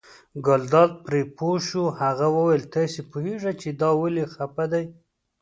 ګلداد پرې پوه شو، هغه وویل تاسې پوهېږئ چې دا ولې خپه دی.